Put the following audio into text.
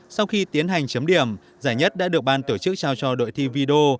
sau khi tiến hành chấm điểm giải nhất đã được ban tổ chức trao cho đội thi đô